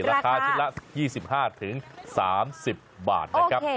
ราคาชิ้นละ๒๕๓๐บาทนะครับ